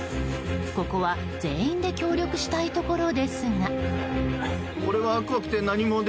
ここは全員で協力したいところですが。